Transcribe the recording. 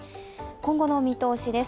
今後の見通しです。